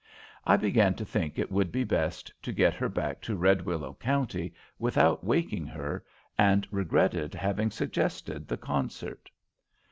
I began to think it would be best to get her back to Red Willow County without waking her, and regretted having suggested the concert.